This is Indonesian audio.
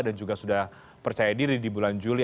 dan juga sudah percaya diri di bulan juli